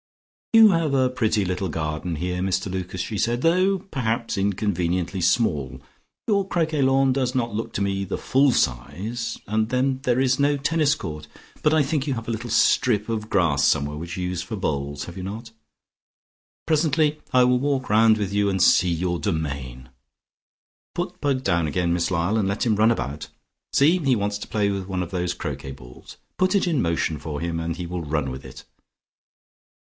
"You have a pretty little garden here, Mr Lucas," she said, "though perhaps inconveniently small. Your croquet lawn does not look to me the full size, and then there is no tennis court. But I think you have a little strip of grass somewhere, which you use for bowls, have you not? Presently I will walk around with you and see your domain. Put Pug down again, please, Miss Lyall, and let him run about. See, he wants to play with one of those croquet balls. Put it in motion for him, and he will run with it.